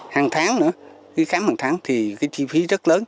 hàng tháng nữa khi khám hàng tháng thì cái chi phí rất lớn